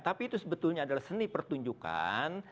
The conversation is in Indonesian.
tapi itu sebetulnya adalah seni pertunjukan